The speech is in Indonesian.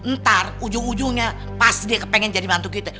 ntar ujung ujungnya pas dia kepengen jadi bantu kita